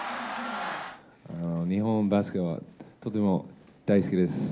日本バスケがとても大好きです。